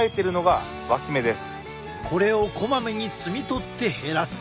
これをこまめに摘み取って減らす。